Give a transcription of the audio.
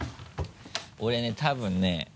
俺ね多分ね。